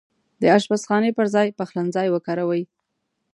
د اشپزخانې پرځاي پخلنځای وکاروئ